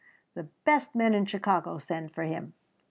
The best men in Chicago send for him."